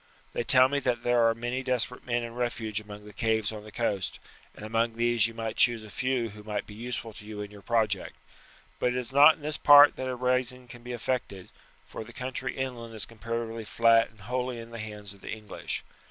They tell me that there are many desperate men in refuge among the caves on the coast, and among these you might choose a few who might be useful to you in your project; but it is not in this part that a rising can be effected, for the country inland is comparatively flat and wholly in the hands of the English.